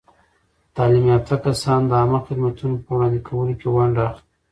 تعلیم یافته کسان د عامه خدمتونو په وړاندې کولو کې ونډه اخلي.